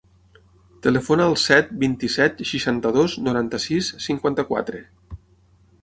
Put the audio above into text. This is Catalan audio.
Telefona al set, vint-i-set, seixanta-dos, noranta-sis, cinquanta-quatre.